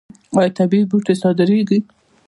آیا طبیعي بوټي صادریږي؟